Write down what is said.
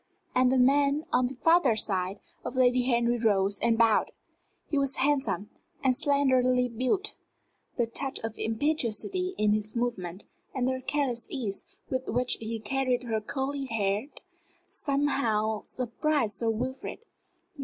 And the man on the farther side of Lady Henry rose and bowed. He was handsome, and slenderly built. The touch of impetuosity in his movement, and the careless ease with which he carried his curly head, somehow surprised Sir Wilfrid.